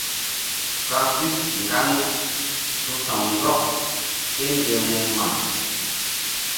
Francis nganou su̧ sa̧w ndɔk ke ŋgermu mma.